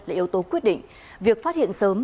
là yếu tố quyết định việc phát hiện sớm